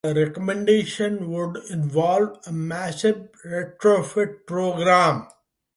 The recommendations would involve a massive retrofit program.